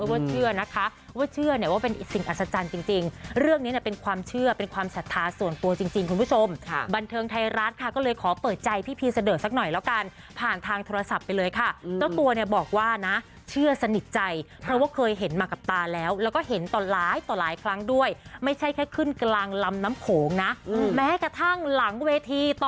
ว่าเชื่อนะคะว่าเชื่อเนี่ยว่าเป็นสิ่งอัศจรรย์จริงเรื่องนี้เป็นความเชื่อเป็นความศรัทธาส่วนตัวจริงคุณผู้ชมบันเทิงไทยรัฐค่ะก็เลยขอเปิดใจพี่พีชเสด็จสักหน่อยแล้วกันผ่านทางโทรศัพท์ไปเลยค่ะเจ้าตัวเนี่ยบอกว่านะเชื่อสนิทใจเพราะว่าเคยเห็นมากับตาแล้วแล้วก็เห็นต่อหลายต